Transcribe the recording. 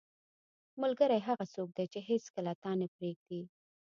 • ملګری هغه څوک دی چې هیڅکله تا نه پرېږدي.